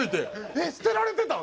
「えっ捨てられてたん？」